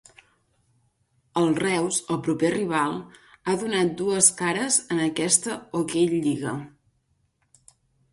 El Reus, el proper rival, ha donat dues cares en aquesta OkLliga.